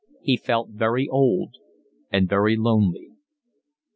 He felt very old and very lonely.